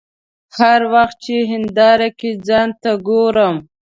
هر وخت چې هنداره کې ځان ته ګورم.